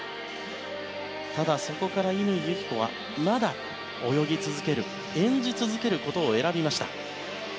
ただ、そこから乾友紀子はまだ、泳ぎ続ける演じ続けることを選びました。